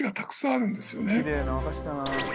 きれいな和菓子だなあ。